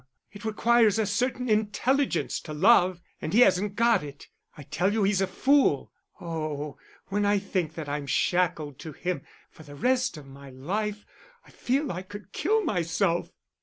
It requires a certain intelligence to love, and he hasn't got it. I tell you he's a fool. Oh, when I think that I'm shackled to him for the rest of my life, I feel I could kill myself."